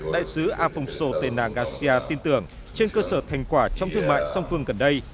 đại sứ afongso tenagasia tin tưởng trên cơ sở thành quả trong thương mại song phương gần đây